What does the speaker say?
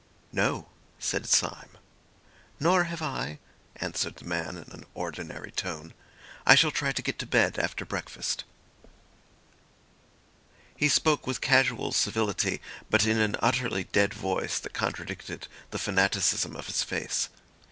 "No," said Syme. "Nor have I," answered the man in an ordinary tone. "I shall try to get to bed after breakfast." He spoke with casual civility, but in an utterly dead voice that contradicted the fanaticism of his face.